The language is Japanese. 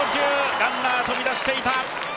ランナー飛び出していた。